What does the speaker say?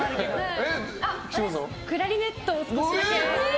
クラリネットを少しだけ。